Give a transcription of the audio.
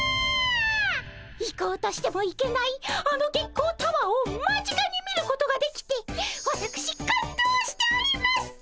行こうとしても行けないあの月光タワーを間近に見ることができてわたくし感動しております！